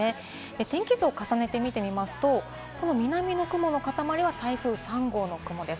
天気図を重ねてみますと、南の雲の塊は台風３号の雲です。